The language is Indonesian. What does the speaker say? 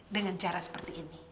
dengan cara seperti ini